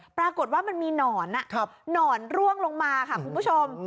ปรากฏว่ามันมีหนอนหนอนร่วงลงมาค่ะคุณผู้ชม